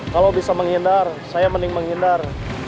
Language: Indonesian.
kalau bisa menghindar saya mending menghindar